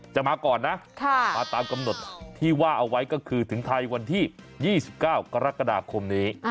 มาก่อนนะมาตามกำหนดที่ว่าเอาไว้ก็คือถึงไทยวันที่๒๙กรกฎาคมนี้